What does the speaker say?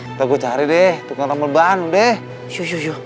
kita gua cari deh tukang rambal bang deh